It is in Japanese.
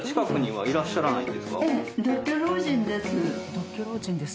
「独居老人です」。